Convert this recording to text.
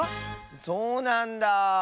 そうなんだ。